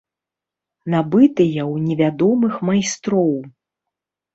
Набытыя ў невядомых майстроў.